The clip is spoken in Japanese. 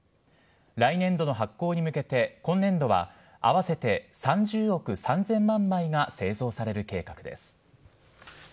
来年度の発行に向けて今年度は合わせて３０億３０００万枚が製造される計画です。